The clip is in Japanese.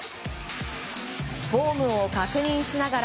フォームを確認しながら